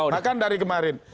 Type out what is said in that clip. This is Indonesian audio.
bahkan dari kemarin